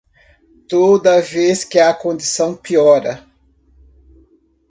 Toda vez que a condição piora